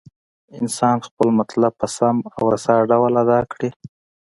انسان خپل مطلب په سم او رسا ډول ادا کړي.